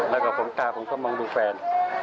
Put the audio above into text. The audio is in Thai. แล้วก็ผมตาผมก็มองดูแฟน